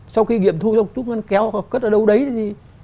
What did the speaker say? sau khi nghiệp thu thúc ngân kéo cất ở đâu đấy thì